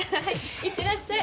行ってらっしゃい。